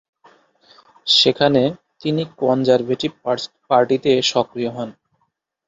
সেখানে, তিনি কনজারভেটিভ পার্টিতে সক্রিয় হন।